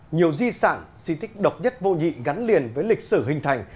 nhiều di sản di tích độc nhất vô nhị gắn liền với lịch sử hình thành